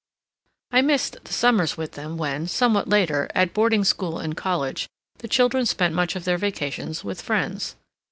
I missed the summers with them when, somewhat later, at boarding school and college, the children spent much of their vacations with friends.